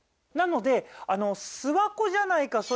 なので「諏訪湖じゃないか」